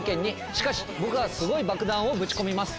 しかし僕はすごい爆弾をぶち込みます。